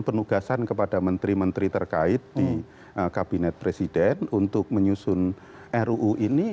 penugasan kepada menteri menteri terkait di kabinet presiden untuk menyusun ruu ini